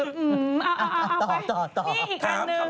นี่อีกอันนึง